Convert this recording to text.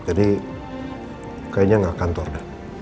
jadi kayaknya gak kantor deh